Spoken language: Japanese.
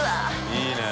いいね。